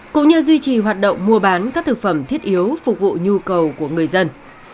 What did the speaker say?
cũng như duy trì hoạt động mua bán các thực phẩm thiết yếu phục vụ nhu cầu của người dân